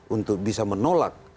untuk bisa menolak